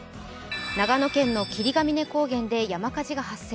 長野県の霧ヶ峰高原で山火事が発生